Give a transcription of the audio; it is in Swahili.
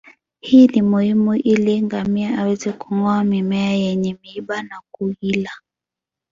Hii ni muhimu ili ngamia aweze kungoa mimea yenye miiba na kuila